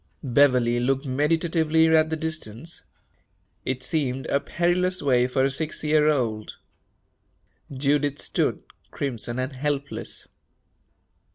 Beverley looked meditatively at the distance. It seemed a perilous way for a six year old. Judith stood, crimson and helpless.